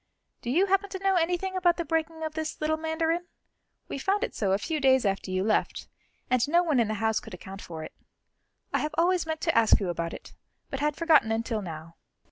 Do you happen to know anything about the breaking of this little mandarin? We found it so a few days after you left, and no one in the house could account for it. I have always meant to ask you about it, but had forgotten until now."